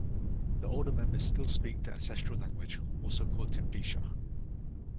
The older members still speak the ancestral language, also called Timbisha.